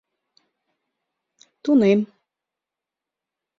Тунем.